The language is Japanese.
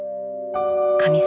神様」。